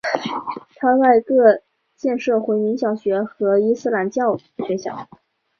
他在各地建设回民小学和伊斯兰教学校。